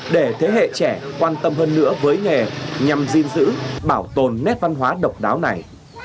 để thế hệ trẻ quan tâm hơn nữa với nghề nhằm diên giữ bảo tồn nét văn hóa độc đáo này